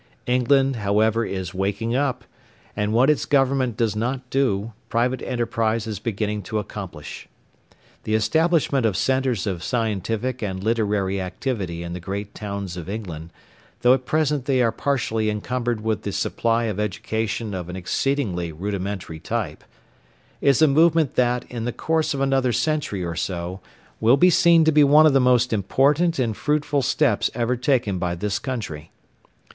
England, however, is waking up, and what its Government does not do, private enterprise is beginning to accomplish. The establishment of centres of scientific and literary activity in the great towns of England, though at present they are partially encumbered with the supply of education of an exceedingly rudimentary type, is a movement that in the course of another century or so will be seen to be one of the most important and fruitful steps ever taken by this country.